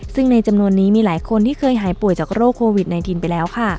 ซึ่งในจำนวนนี้มีหลายคนที่เคยหายป่วยจากโรคโควิด๑๙ไปแล้วค่ะ